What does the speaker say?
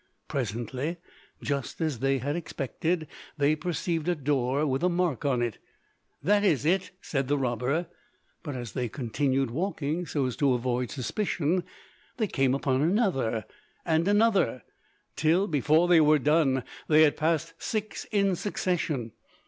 Presently, just as they had expected, they perceived a door with the mark on it. "That is it!" said the robber; but as they continued walking so as to avoid suspicion, they came upon another and another, till, before they were done, they had passed six in succession.